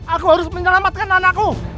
aku harus menyelamatkan anakku